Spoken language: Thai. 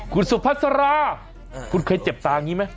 คุณสุพัสราคุณเคยเจ็บตาอย่างนี้ไหม